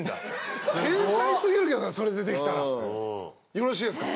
よろしいですか？